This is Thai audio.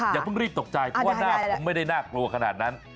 อย่าเพิ่งรีบตกใจเพราะว่าหน้าผมไม่ได้น่ากลัวขนาดนั้น